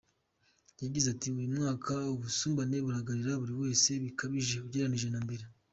Yagize ati “Uyu mwaka, ubusumbane buragaragarira buri wese, birakabije ugereranije na mbere.